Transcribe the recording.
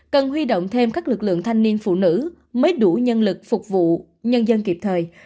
cần huy động thêm các lực lượng thanh niên phụ nữ mới đủ nhân lực phục vụ nhân dân kịp thời